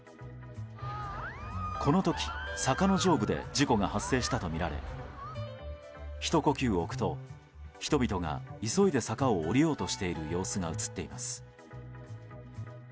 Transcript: この時、坂の上部で事故が発生したとみられひと呼吸置くと、人々が急いで坂を下りようとする様子が映っています。